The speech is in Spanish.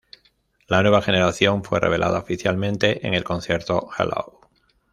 La nueva generación fue revelada oficialmente en el concierto "Hello!